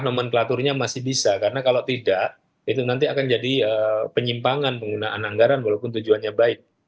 nomenklaturnya masih bisa karena kalau tidak itu nanti akan jadi penyimpangan penggunaan anggaran walaupun tujuannya baik